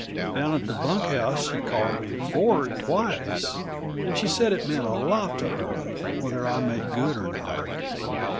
Down at the bunk house she called me Ford twice and she said it meant a lot to her, whether I make good or not.